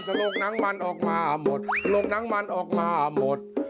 ถ้าโลกนั้นมันออกมาหมดถ้าโลกนั้นมันออกมาหมด